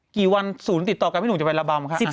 กี่วัน๐ติดต่อกันหรือจะไประบำคะ